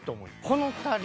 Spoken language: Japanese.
この２人。